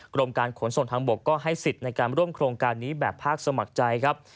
กรมการขนส่งทางบกก็ให้สิทธิ์ในการร่วมโครงการนี้แบบภาคสมัครใจครับ